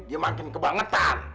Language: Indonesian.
dia makin kebangetan